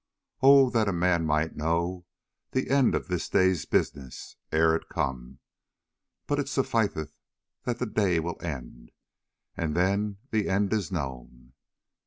Oh that a man might know The end of this day's business, ere it come; But it sufficeth that the day will end, And then the end is known!